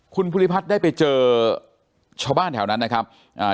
คุณภูริพัฒน์ได้ไปเจอชาวบ้านแถวนั้นนะครับอ่า